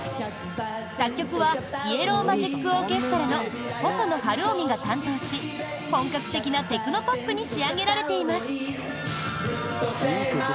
作曲はイエロー・マジック・オーケストラの細野晴臣が担当し本格的なテクノポップに仕上げられています。